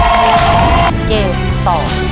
เกมต่อ